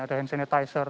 ada hand sanitizer